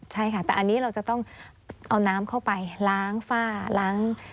ใช่ค่ะแต่อันนี้เราจะต้องเอาน้ำเข้าไปล้างฝ้าล้าง